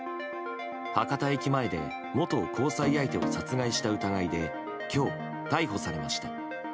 博多駅前で元交際相手を殺害した疑いで今日、逮捕されました。